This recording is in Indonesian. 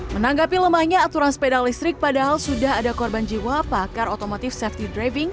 menanggapi lemahnya aturan sepeda listrik padahal sudah ada korban jiwa pakar otomotif safety driving